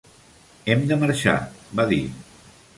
"Hem de marxar", va dir.